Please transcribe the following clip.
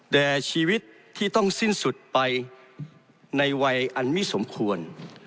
แด่ชีวิตที่ต้องสิ้นสุดไปในวัยอันมิสมควร